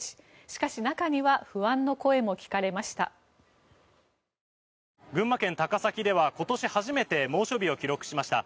しかし、中には不安の声も聞かれました。